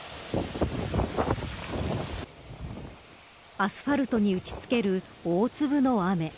アスファルトに打ちつける大粒の雨。